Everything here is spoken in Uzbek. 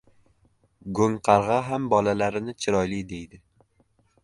• Go‘ngqarg‘a ham bolalarini chiroyli deydi.